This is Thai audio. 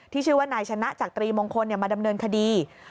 ชื่อว่านายชนะจักรีมงคลมาดำเนินคดี